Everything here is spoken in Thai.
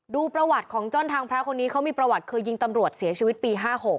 ดูประวัติของจ้อนทางพระคนนี้เขามีประวัติเคยยิงตำรวจเสียชีวิตปี๕๖